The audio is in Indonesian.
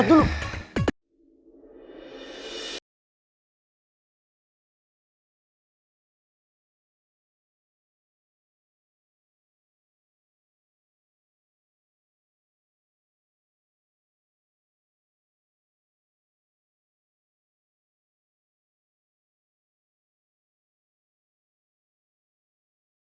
aku ngetes ketambang sini